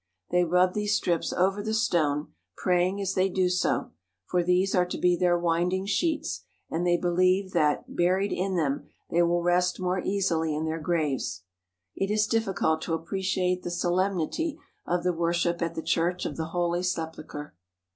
They rub these strips over the stone, praying as they do so, for these are to be their winding sheets, and they be lieve that, buried in them, they will rest more easily in their graves. It is difficult to appreciate the solemnity of the worship at the Church of the Holy Sepulchre.